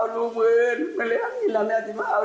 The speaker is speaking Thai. ๕๕ลูกกลับมาแล้ว